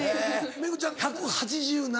メグちゃん１８７？